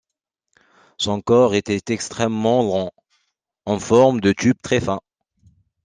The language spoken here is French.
Son corps était extrêmement long, en forme de tube très fin.